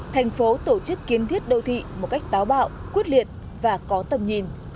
thành phố tổ chức kiến thiết đô thị một cách táo bạo quyết liệt và có tầm nhìn